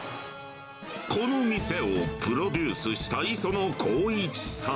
この店をプロデュースした磯野晃一さん。